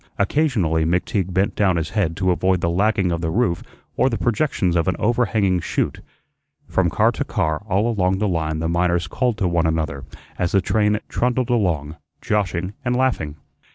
Occasionally McTeague bent down his head to avoid the lagging of the roof or the projections of an overhanging shute. From car to car all along the line the miners called to one another as the train trundled along, joshing and laughing.